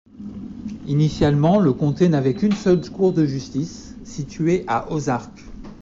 Initialement le comté n'avait qu'une seule court de justice, située à Ozark.